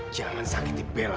jangan sakiti bella